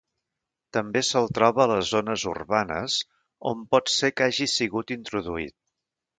També se'l troba a les zones urbanes, on pot ser que hagi sigut introduït.